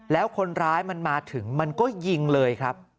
แล้วคนร้ายมันมาถึงมันก็ยิงเลยครับ